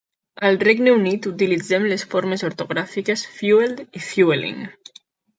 Al Regne Unit utilitzem les formes ortogràfiques "fuelled" i "fuelling".